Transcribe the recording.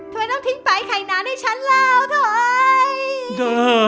ทำไมต้องทิ้งไฟล์ไข่น้ำให้ฉันเหรอถอย